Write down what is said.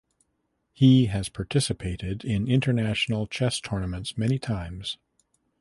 He has participated in international chess tournaments many times.